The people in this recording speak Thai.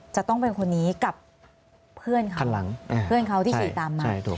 จะต้องเป็นคนนี้กับเพื่อนเขาที่ขี่ตามมา